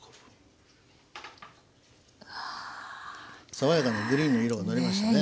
爽やかなグリーンの色がのりましたね。